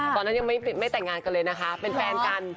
ตอนนั้นยังไม่แต่งงานกันเลยนะคะเป็นแฟนกัน